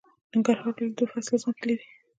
ننګرهار ولې دوه فصله ځمکې لري؟